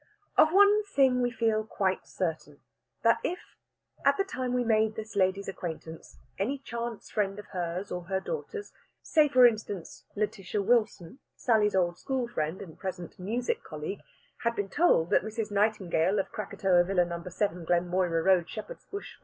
Of one thing we feel quite certain that if, at the time we made this lady's acquaintance, any chance friend of hers or her daughter's say, for instance, Lætitia Wilson, Sally's old school friend and present music colleague had been told that Mrs. Nightingale, of Krakatoa Villa, No. 7, Glenmoira Road, Shepherd's Bush, W.